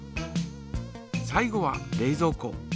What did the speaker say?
最後は冷ぞう庫。